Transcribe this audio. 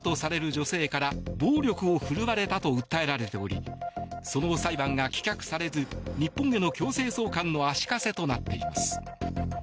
一方、渡邉容疑者は妻とされる女性から暴力を振るわれたと訴えられておりその裁判が棄却されず日本への強制送還の足かせとなっています。